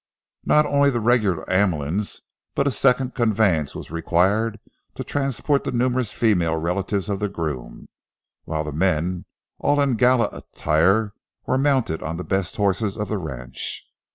Not only the regular ambulance but a second conveyance was required to transport the numerous female relatives of the groom, while the men, all in gala attire, were mounted on the best horses on the ranch.